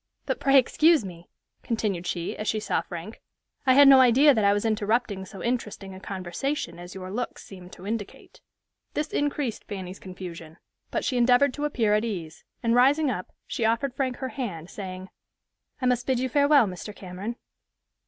But, pray excuse me," continued she, as she saw Frank, "I had no idea that I was interrupting so interesting a conversation as your looks seem to indicate." This increased Fanny's confusion, but she endeavored to appear at ease; and rising up, she offered Frank her hand, saying, "I must bid you farewell, Mr. Cameron."